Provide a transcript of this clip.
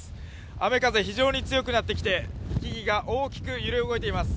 雨・風非常に強くなってきて木々が大きく揺れ動いています。